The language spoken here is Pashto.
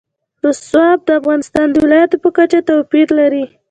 رسوب د افغانستان د ولایاتو په کچه توپیر لري.